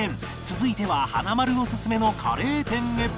続いては華丸オススメのカレー店へ